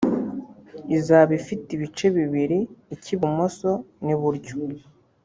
izaba ifite ibice bibiri icy’ibumoso n’iburyo